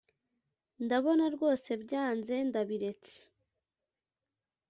Ndabona rwose byanze ndabiretse